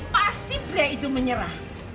pasti pria itu menyerah